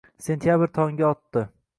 Sentyabr` tongi otdi.